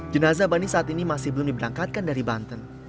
jenazah bani saat ini masih belum diberangkatkan dari banten